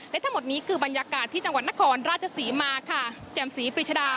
และทั้งหมดนี้คือบรรยากาศที่จังหวัดนครราชศรีมาค่ะแจ่มศรีปริชดา